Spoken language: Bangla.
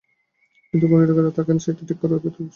কিন্তু কোন গ্রেডে কারা থাকবেন, সেটি ঠিক করার এখতিয়ার সরকারের।